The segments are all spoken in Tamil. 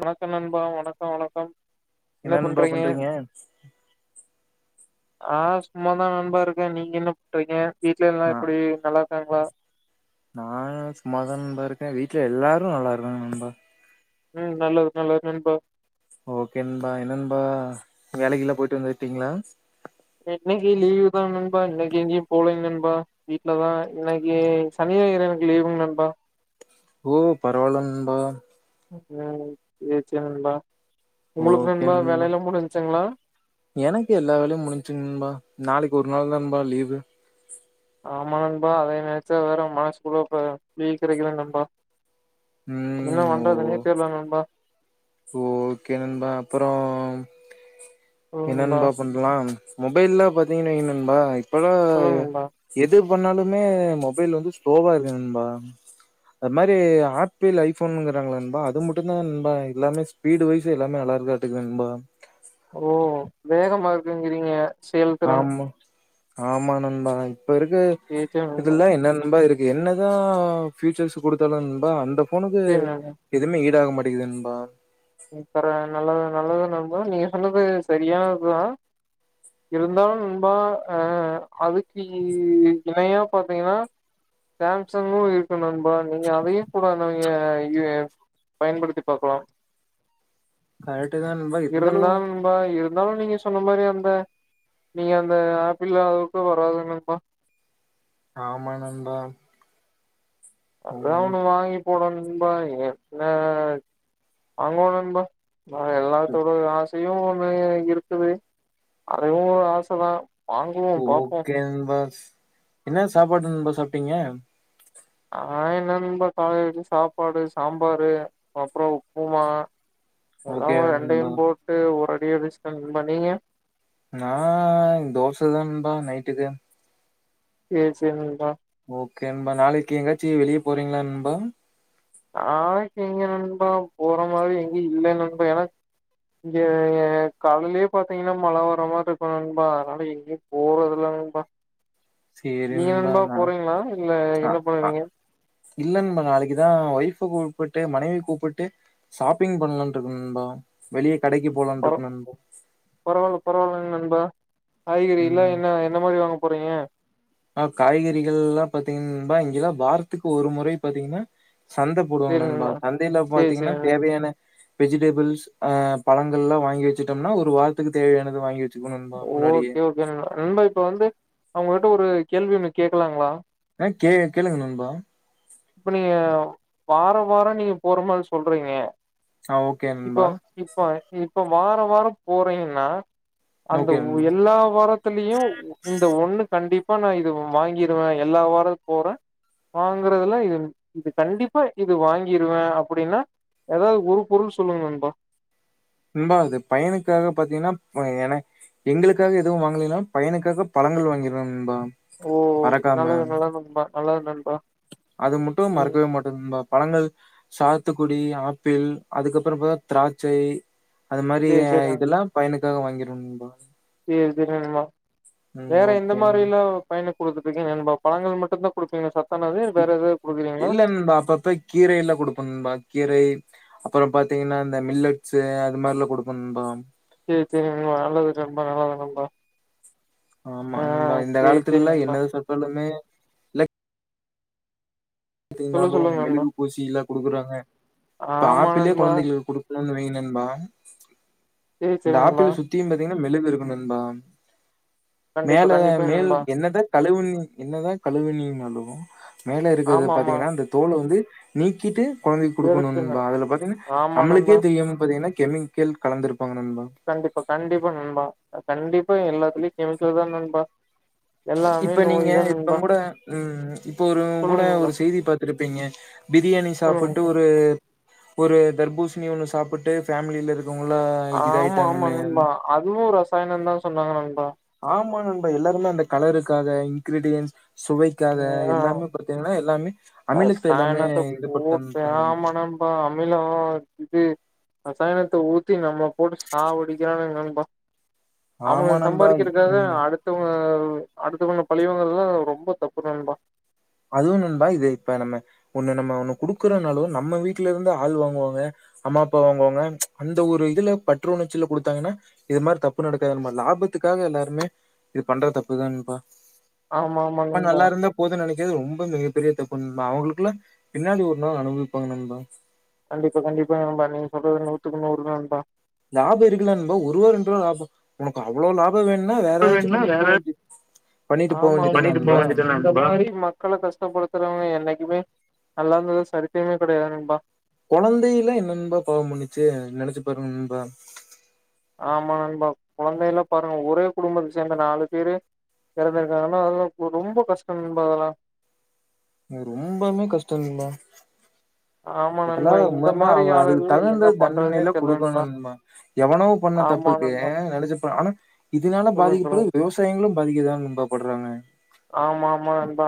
வணக்கோ நண்பா வணக்கோ வணக்கம் என்ன பண்றீங்க ஆ சும்மா தா நண்பா இருக்கே நீங்க என்ன ப்றீங்க வீட்ல எல்லா எப்புடி நல்லா க்றாங்ளா நானு சும்மாதா நண்பா இருக்கே வீட்ல எல்லாரு நல்லாருக்காங்கா நண்பா ம் நல்லது நல்லது நண்பா ஓகே நண்பா என்ன நண்பா வேலைக்கெல்லா போயிட்டு வந்துட்டிங்ளா இன்னைக்கு லீவுதா நண்பா இன்னைக்கு எங்கயு போலிங்க நண்பா வீட்லதா இன்னைக்கு சனி ஞாயிறு எனக்கு லீவுங் நண்பா ஓ பரவால நண்பா ம் சேர் சேர் நண்பா உங்களுக்கு ஓகே நண்பா வேலையெல்லா முடிஞ்சுங்களா எனக்கு எல்லா வேலையு முடிஞ்ச்சுங் நண்பா நாளைக்கு ஒ ரு நாள் நண்பா லீவு ஆமா நண்பா அதய நெனச்சா வேற மனசுக்குள்ள வ புளிய கரைக்குது நண்பா என்ன ம் ஓ பண்றதுனே தெர்ல நண்பா ஓகே நண்பா அப்பறோ என்ன நண்பா பண்லாம் மொபைல்லா பாத்திங்கன் வைங் நண்பா அப்பலா சொல்லுங்க நண்பா எது பண்ணாலுமே மொபைல் வந்து ஸ்லோவா இருக்கு நண்பா அதுமாரி ஆப்பிள் ஐஃபோனுங்றாங்ள நண்பா அது மட்டுந்தா நண்பா எல்லாமே ஸ்பீடு வைஸ் எல்லாமே நல்லாருக்தாட்டுக்குது நண்பா ஓ வேகமா இருக்குங்றிங்க செயல்திறன் ஆமா ஆமா நண்பா இப்ப இருக்கு சேர் சேரி நண்பா இதுல என்ன நெம்பர் இருக் என்னதா ஃபியூச்சர்ஸ் கொடுத்தாலு நண்பா அந்த போனுக்கு சரி நண்பா எதுவுமே ஈடாக மாட் கேக்குதா நண்பா அப்புறம் நல்லது நல்லது நண்பா நீங்க சொன்னது சரியானதுதா இருந்தாலு நண்பா அ அதுக்கு இ இணையா பாத்தீங்கன்னா சாம்சங்கு இருக்கு நண்பா நீங்க அதையு கூட நீங்க பயன்படுத்தி பாக்கலா கரெக்ட்டு தா நண்பா இருந்தாலு நானும் நீங்க சொன்ன மாரி அந்த நீங்க அந்த ஆப்பிள் அளவுக்கு வராது நண்பா ஆமா நண்பா அதா ஒண்ணு ஓகே வாங்கி போடனு நண்பா ஏ என்ன வாங்கோனு நண்பா னா எல்லாத்தோட ஆஸ் ஜியோ ஒனண்ணு இருக்குது அரதையும் ஒரு ஆசை தா ஓகேங்பாஸ் என்ன சாப்பாடு நண்பா சாப்ட்டீங்க ஆஹ் என்ன நண்பா காலைலிக்கு சாப்பாடு சாம்பாரு அப்றோ உப்புமா அதா நண்பா ரெண்டையு போட்டு ஊற ஃப்ரைட்ரைஸ் தா நண்பா நீங்க நா தோச தா நண்பா நைட்டுக்கு சேர் சேரி நண்பா ஓகே நண்பா நாளைக்கு எங்காச்சி வெளியே போறீங்ளா நண்பா நாளைக்கு எங்க நண்பா போற மாரி எங்கயு இல்ல நண்பா ஏனா இங்க காலைலயே பாத்தீங்கன்னா மழ வர மாரி இருக்கு நண்பா அதனால எங்கயு போறதில்ல நண்பா சேரி நீங்க நண்பா நா போறீங்களா இல்ல அ என்ன அ பண்ணுவீங்க இல்ல நண்பா நாளைக்குதா ஒய்ஃப் கூப்புட்டு மனைவி கூப்புட்டு ஷாப்பிங் பண்லான்ட்டு இருக்க நண்பா வெளிய கடைக்கு போலான் பரொ இருக்க நண்பா பரவல்லா பரவல்லா நண்பா காய்கறிலா என்ன என்ன மாரி வாங்க போறீங்க ஆஹ் காய்கறிகள்லா பாத்தீங்க நண்பா இங்கல்லா வாரத்துக்கு ஒரு முறை பாத்தீங்ன்னா சந்த போடுவாங்க நண்பா சந்தையில சேரி சேரி பாத்தீங்ன்னா நண்பா தேவையான வெஜிடபிள்ஸ் அஹ் பழங்கள்லா வாங்கி வச்சுட்டோம்னா ஒரு வாரத்துக்கு தேவையானது வாங்கி வச்சுக்கணு நண்பா முன்னாடியே ஓகே ஓகே நண்பா நண்பா இப்ப வந்து உங்ககிட்ட ஒரு கேள்வி ஒண்ணு கேட்கலாங்ளா ஆ கே கேளுங்க நண்பா இப்ப நீங்க வாரோ வாரோ நீங்க போற மாரி சொல்றீங்க ஆ ஓகே இப்ப நண்பா இப்ப இ இப்ப வாரோ வாரோ போறீங்ன்னா அந்த ஓகே ஒ நண்பா எல்லா வாரத்திலியு இந்த ஒண்ணு கண்டிப்பா ப்ப நா இது வாங்கிருவே எல்லா வாரோ போறே வாங் வாங்குறதுல இது இது கண்டிப்பா இது வாங்கிருவே அப்டின்னா ஏதாவது ஒரு பொருள் சொல்லுக நண்பா நண்பா அது பையனுக்காக பாத்தீங்ன்னா என எங்ளுக்காக எதுவு வாங்கலைன்னாலு பையனுக்காக பழங்கள் வாங்கிறவே நண்பா ஓ மறக்காம. நல்லது நல்லது நண்பா நல்லது நண்பா அது மட்டு ம் மறக்கவே மாட்டங் நண்பா பழங்கள் சாத்துக்குடி ஆப்பிள் அதுக்கப்றோ பா திராட்சை அது மாரி சேரி எ சேரி இதுலா பையனுக் காக வாங்கிருவே நண்பா சேர் சேரி நண்பா ம். வேற எந்த ஓகே. மாரில பையனுக் குடுத்துட்ருக்கீங்க நண்பா பழங்கள் மட்டு தா குடுப்பீங்கலா சாப் இல்ல நண்பா அப்பப்ப கீரை எல்லா குடுப்ப நண்பா கீரை அப்பறோ பாத்தீங்கன்னா அந்த மில்லட்ஸ் அது மார்ல குடுக்கணும்பா சேரி சேரி நண்பா நல்லது ரொம்ப நல்லது நண்பா ஆமா ஆ நண்பா இந்த சேரி சேரி காலத்துலல்ல நண்பா என்னது சாப்ட்டாலுமே லெக் சொல்ல அப்டினாலு அந்த சொல்லுங்க நண்பா மெழுகு பூசில குடுக்குறாங்க இப்ப ஆமா ஆப்பிளே நண்பா கொழந்தைகளுக்கு குடுக் [unintelligible] நண்பா சேரி இந்த சேரி நண்பா ஆப்பிளு சுத்தியும் பாத்தீங் னா மெழுகு இருக்கு நண்பா கண்டிப்பா மேல கண்டிப்பா மேல் நண்பா என்னத கழுவு என்னதா கழுவுனீங்னாலு மேல இருக்குறத ஆமா ஆமா பாத்தீங்கன்னா அந்த தோல் வந்து நீக்கிட்டு கொழந்தைக்கி குடுக்கணு இருக்குங்க நண்பா அதுல பாத்தீங்னா ஆமா நம்மளுக்கே நண்பா தெரியாம பாத்தீங்னா கெமிக்கல் கலந்திருக் கண்டிப்பா கண்டிப்பா நண்பா கண்டிப் இப்பயு எல்லாத்துலயு கெமிக்கல் தா நண்பா எல்லாமே இப்ப நோய் நீங்க தா நண்பா இப்பங் கூட ம் இப்ப ஒருங் கூட சொல்லுங்க நண்பா ஒரு செய்தி பாத்திருப்பிங்க பிரியாணி சொல்லுங்க சாப்புட்டு நண்பா ஒரு ஒரு தர்பூசணி ஒண்ணு சாப்பிட்டு ஃபேமிலி ல இருக் ஆமா ஆமா நண்பா அதுவு ரசாயனன்தா சொன்னாங்க நண்பா ஆமா நண்பா எல்லாருமே அந்த கலருக்காக இன்கிரிடியன்ஸ் ஆ எல்லாமே அமிலத்தை எல்லாமே ரசாயனத்த இது போட்டு பண்ணிட்டாங்க ஆமா நண்பா அமில இது ரசாயனத்த ஊத்தி நம்ம போட்டு சாவடிக்கிறானுங்க நண்பா ஆமா அவனுக நண்பா சம்பாரிக்கிறதுக்காக ம். அடுத்தவங்க அடுத்தவன பழிவாங்குறதெல்லா ரொம்ப தப் பு நண்பா அதுவு நண்பா இது இப்ப நம்ம ஒண்ணு நம்ம ஒண்ணு குடுக்குறனாலு நம்ம வீட்ல இருந்து ஆள் வாங்குவாங்க அம்மா அப்பா வாங்குவாங்க அந்த ஒரு இதுல பற்று உணர்ச்சில குடுத்தாங்கன்னா இது மாரி தப்பு நடக்காது நண்பா லாபத்துக்காக எல்லாருமே இது பண்ற தப்புதா நண்பா ஆமா ஆமா நம்ம நண்பா நல்லா இருந்தா போதுன் நெனைக் இது ரொம்ப மிகப்பெரிய தப்பு நண்பா அவங்களுக்கெலா பின்னாடி ஒரு நாள் அனுபவிப்பாங்க நண்பா கண்டிப்பா கண்டிப்பா நண்பா நீங்க சொல்றது நூத்துக்கு நூறுதா நண்பா லாப இருக்கலா நண்பா ஒருவா ரெண்டுருவா லாப உனக்கு அவ்ளோ லாப பண்ணிட்டு போ ஆமா வேண்டியதுதான நண்பா இந்த மாரி மக்கள கஷ்டப்படுத்துறவங்க என்னைக்குமே நல்லா இருந்ததா சரித்ரமே கெடையாது நண்பா கொழந்தை யெல்லா என்ன நண்பா பாவோ பன்னுச்சு நினைச்சு பாருங்க நண்பா ஆமா நண்பா குழந்தைக எல்லா பாருங்க ஒரே குடும்பத்தை சேர்ந்த நாலு பேரு இறந்திருக்காங்கன்னா அதெல்லா ரொம்ப கஷ்டோ நண்பா அதெல்லா ரொம்பமே கஷ்டோ நண்பா ஆமா அதல்லா நண்பா இந்த உண்மன்னா மாரி அவ அதுக்கு ஆளுகள் என்ன தகுந்த பண்றதுனே தண்டனைைல்லா தெர்ல நண்பா குடுக்கணு மா எவனோ பண்ண ஆமா தப்புக்கு நண்பா நெனச்சுப்பா ஆனா இதுனால சொல்லுங்க சொல்லுங்க பாதிக்கப்படுவது விவசாயங்ளும் பாதிக்கதா நன்பா படுறாங்க ஆமா ஆமா நண்பா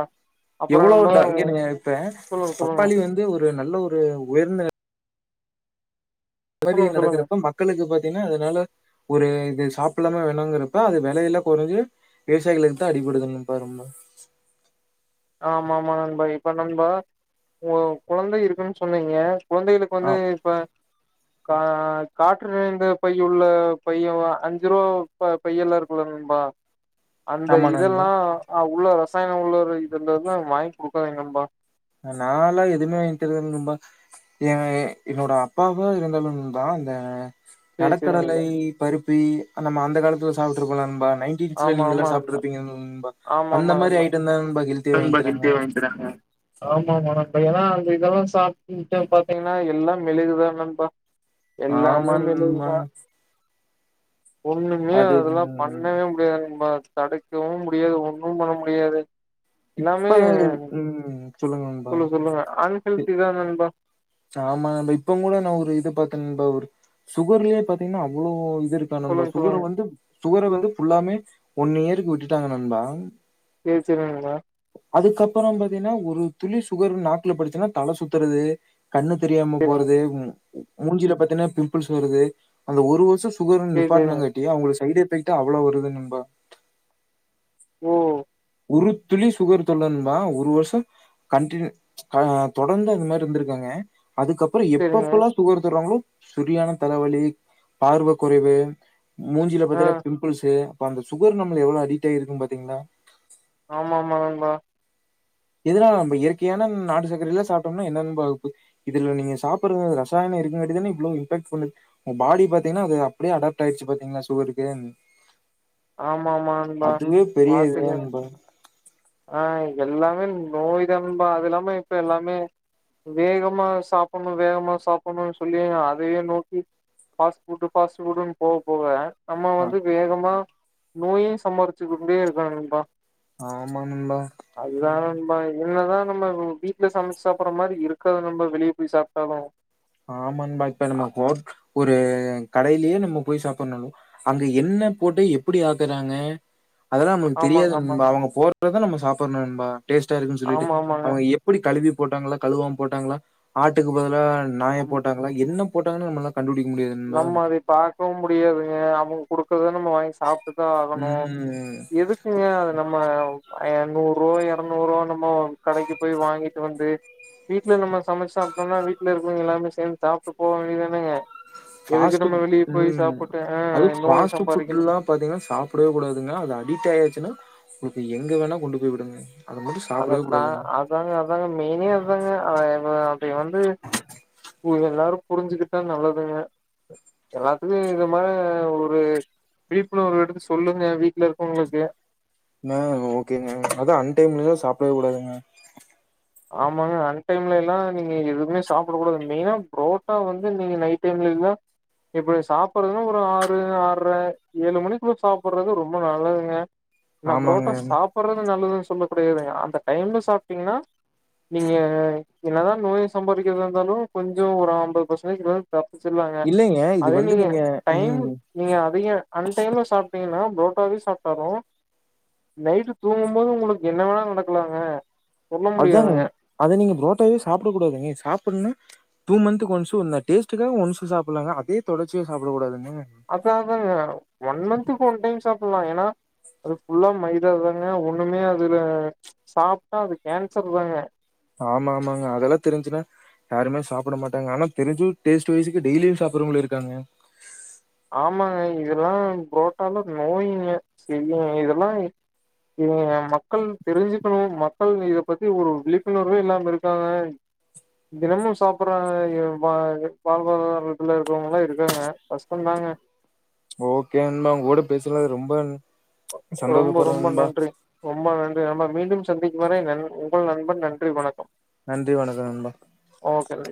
அப்புறோ எவ்வளோ நண்பா ட இங்க உ- நிங்க இப்பே சொல்லுங்க சொல்லுங்க பப்பாளி வந்து ஒரு நல்ல ஒ ரு உயர்ந்த நெ இந்தமாதி சொல்லுங்க சொல்லுங்க நடக்குறப்ப மக்களுக்கு ப த்தினா அதனால ஒரு இது சாப்புல்லாமா வேணாங்குறப்ப அது வெலையெல்லா கொறஞ்சு விவசாயிகளுக்கு தா அடிபடுது நன்பா ரொம்ப ஆமாமா நண்பா இப்ப நண்பா ஒங் கொழந்த இருக்குன் சொன்னீங்க கொழந்தைகளுக்கு ஆ வந்து இப்ப கா காற்று நிறைந்த பையுள்ள பைய வ அஞ்சு ருவா ப பையெல்லா இருக்குல்ல நண்பா அந்த ஆமா நண்பா இதெல்லா அவ் உள்ள ரசாயன உள்ள ரை இருந்ததுனா வாயிங் குடுக்காதீங் நண்பா நாலா எதுவுமே வாங் தரதில நண்பா எ வெ என்னோட அப்பாவு இருந்தாலு நண்பா இந்த சேரி சேரி நெடக்கடலை நண்பா பருப் பி நம்ம அந்த காலத்துல சாப்ட்டுருக்கோல்ல நண்பா நைன்டின்ஸ்ல ஆமா நீங்கல்லா ஆமா நண்பா சாப்ட்டுருப்பீங்க நண்பா அந்த மாரி ஐட்டந்தா [unintelligible] ஆமாமா நண்பா ஏன்னா அங்க இதெல்லா சாப்ட்டு [unintelligible] பாத்தீங்ன்னா எல்லா மெழுகுதா நண்பா ஆமா எல்லாமே நண்பா மெழுகுதா ஒண்ணுமே அது அதுல்லா ம் பண்ணவே முடியாது நண்பா தடுக்கவு முடியாது ஒண்ணும் பண்ண முடியாது இப்ப உம் சொல்லுங் சொல்லுங்க அன்ஹெல்த்திதா நண்பா சாமாந்த இப்பங் கூட நா ஒரு இது பாத்தெ நண்பா ஒரு சுகர்லெயே பாத்தீங்ன்னா அவ்ளோ இருக்கா நம்ப சொல்லுங்க சுகர சொல்லுங்க வந்து சுகர வந்து ஃபுல்லாமே ஒன் இயருக்கு விட்டுட்டாங்க நண்பா ஏச் என்ன நண்பா அதுக்கப்ரோ பாத்தியன்னா ஒரு துளி சுகர் நாக்குல பட்டுச்சுனா தல சுத்துறது கண்ணு தெரியாம சேரிங்க போறது ம் மூஞ்சில பாத்தென்னா பிம்புள்ஸ் வருது அந்த ஒரு வருஷொ துகர சேரி சேரிங்க நிப்பாட்னங்காட்டி அவுங்கள சைடே [unintelligible] அவ்ளோ வருது நண்பா ஒ ஒரு துளி சுகர் தொட்ல நண்பா ஒரு வர்ஷ கண்ட்டிநியு ஆ தொடர்ந்து அத மாரி இருந்ருக்காங்க அதுக்கப்ரோ சேரிங்க எப்பப்பல்லா சுகர் தர்றாங்ளோ செரியான தலவலி பார்வ கொறைவு மூஞ்ஜில ஆ பாத்தன்னா பிம்புல்ஸு அப்ப அந்த சுகர் நம்ல எவ்ளோ அடிக்ட் ஆயிருக்குன் பாத்தீங்ளா ஆமா ஆமா நண்பா எதுனால நம்ம இயற்கையான நாட்டு சக்ரயலா சாப்டம்னா என்னென் [unintelligible] இதுல நீங்க சாப்புட்றது ரசாயனம் இருக்குங்காண்டிதானே இவ்ளோ இம்ஃபக்ட் ஃபுல்லு உங்க பாடி பாத்தீங்ன்னா அது அப்டியே அடாப்ட் ஆய்ட்ச்சி பாத்தீங்ளா சுகருக்கே ஆமா ஆமா நண்பா அதுவே பெரிய இதுதா பாத்துக்கங்க நண்பா ஆ எல்லாமே நோய் தா நன்பா அது இல்லாமே இப்ப எல்லாமே வேகமா சாப்புட்ணு வேகமா சாப்புட்ணு சொல்லி அதயே நோக்கி பாஸ்ட்புட்டு பாஸ்ட்புட்டுன்னு போக போக நம்ம ஆ வந்து வேகமா நோயு சம்பாரிச்சு கொண்டே இருக்கோ நண்பா ஆ ஆமா நண்பா பா என்னதா நம்ம வீட்ல சமச்சு சாப்புட்ற மாரி இருக்காது நண்பா வெளிய போய் சாப்டாலு ஆமான்பா இப்ப நம்ம ஹோட் ஒரு அ கடையிலே நம்ம போய் சாப்புனாலு அங்க என்ன போட்டு எப்டி ஆக்குறாங்க அதெல்லா நம்ளுக்கு தெரியாது ஆமாங்க நண்பா ஆமாங்க அவங்க போற இததா நம்ம சாப்புட்ணு நண்பா டேஸ்டா இருக்குன் சொல்லிட்டு ஆமா ஆமாங்க அவங்க எப்டி கழுவி போட்டாங்களா கழுவாம போட்டாங்களா ஆட்டுக்கு பதுலா நாய அம் போட்டாங்களா என்ன போட்டாங்கனு நம்லா நம்ம அதை பாக்கவு முடியாதுங்க அவுங்க குடுக் குத நம்ம வாங்கி சாப் ட்டு தா ஆகணு ம். எதுக்குங்க அது நம்ம பய நூரூவா எரநூறுவா அந்த மா கடைக்கி போய் வாங்கிட்டு வந்து வீட்ல இந்த மார் சமச் சாப்டோம்னா வீட்ல இருக்குறவங் எல்லார்மே சேந்து சாப்ட்டு போ வேண்டிதானங்க ஃபாஸ்ட் ம் ஆ அது நோய் ஃபாஸ்ட் சம்பாரிக்கணு ஃபுட்லா பாத்திங்கனா சாப்டவே கூடாதுங்க அது அடிக்ட் ஆயாச்சுனா இப்ப எங்க வேணா கொண்டு போய் விடுங்க அத மட்டும் சாப்பிடவே அதத்தா கூடாதுங்க. அதாங்க அதாங்க மெய்னே அதாங்க அதை ப அப்டி வந்து இது எல்லாரு புரிஞ்சுகிட்டா நல்லதுங்க எல்லாத்துக்கு இத மார ஒரு விழிப்புணர்வு எடுத்து சொல்லுங்க வீட்ல இருக்கவுங்ளுக்கு ன ஓகேங்க அது அன் டைம்லிலா சாப்டவே கூடாதுங்க ஆமாங்க அன்டைம்லேலா நீங்க எதுமே சாப்புட கூடாது மெய்னா ப்ரோட்டா வந்து நீங்க நைட் டைம்லேலா இப்ப சாப்புறதுனா ஒரு ஆறு ஆர்ர ஏழு மணிக்குள்ள சாப்புறது ரொம்ப நல்லதுங்க நா ஆமாங்க. பிரோட்டா சாப்பிடறது நல்லது சொல்லக் கெடையாதுங்க அந்த டைம்ல சாப்பிட்டீங்கன்னா நீங்க என்னதா நோய சம்பாதிக்கரதா இருந்தாலு கொஞ்சு ஒரு அம்பது பர்சன்டேஜ் லோன் தப்பிச்சிருலாங்க இல்லைங்க. இது அதே வந்து நீங்க டைம் ம். நீங்க அதையே அன் டைம்ல சாப்பிடிங்கனா புரோட்டாவே சாப்ட்டாலு நைட்டு தூங்கு மோது உங்குளுக்கு என்ன வேணா நடங்கலாங்க அதாங்க அதனி நீங்க ப்ரோட்டாவே சாப்பிட கூடாதுங்க சாப்புட்னா டூ மன்துக்கு ஒன்ஸ்சு அந்த டேஸ்டுக்காக ஒன்ஸ் சாப்டலாங்க அதே தொடர்ச்சியா சாப்பிகூடாதுங்க அதாவது ஒன் மன்துக்கு ஒன் டைம் சாப் [unintelligible] ஏனா அது புல்லா மைதா தாங்க ஒண்ணுமே அதுல சாப்பிட்டா அது கேன்சர் தாங்க ஆமா ஆமா மாங்க அதெல்லா தெரிஞ்சினா யாருமே சாப்ட மாட்டாங்க ஆனா தெரிஞ்சு டேஸ்ட் வயஸுக்கு டெய்லியு சாப்ரவங்களு இருக்காங்க ஆமாங்க இதெல்லா புரோட்டால நோயிங்க செய் இதெல்லா ஆ மக்கள் தெரிஞ்சுக்கனோ மக்கள் இத பத்தி ஒரு விழிப்புணர்வே இல்லாம இருக்காங்க தினமு சாப்படுற ஆ வாழ்வாதாரத்துல இருக்கவங்க எல்லா இருக்காங்க சொன்னாங்க ஓக்கே நண்பா உங்கோட பேசுனுனதுல ரொம்ப ரொம்ப சந்தோஷப்படுறேன் ரொம்ப நண்பா. நன்றி ரொம்ப நன்றி நம்ம மீண்டும் சந்தி இதுவரை நன் உங்கள் நண்பன் நன்றி வணக்கம் நன்றி வணக்கோ நண்பா ஓகே.